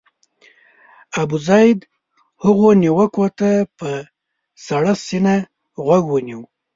ابوزید هغو نیوکو ته په سړه سینه غوږ ونیو.